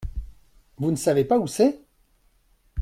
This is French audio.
Vous ne savez pas où c’est ?